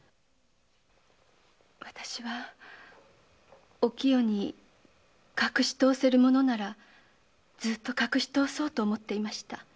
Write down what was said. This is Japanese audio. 私はお清に隠しとおせるものなら隠しとおそうと思っていました。